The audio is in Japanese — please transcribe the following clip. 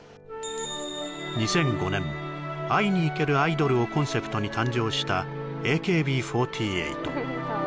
２００５年会いに行けるアイドルをコンセプトに誕生したＡＫＢ４８